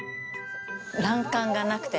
欄干がなくて。